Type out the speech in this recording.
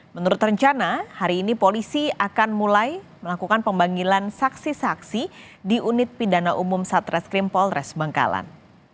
menurut rencana hari ini polisi akan mulai melakukan pemanggilan saksi saksi di unit pidana umum satreskrim polres bangkalan